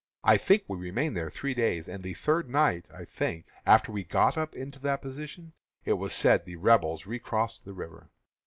I think we remained there three days; and the third night, I think, after we got up into that position, it was said the Rebels recrossed the river."